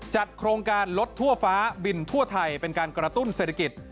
โครงการลดทั่วฟ้าบินทั่วไทยเป็นการกระตุ้นเศรษฐกิจ